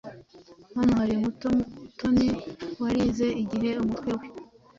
Hano hari muto Toni warize igihe umutwe we,